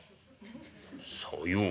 さようか。